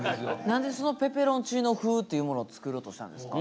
何でそのペペロンチーノ風っていうものを作ろうとしたんですか？